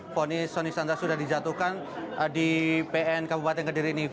fonis soni sandra sudah dijatuhkan di pn kabupaten kediri ini